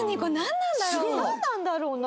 なんなんだろうな？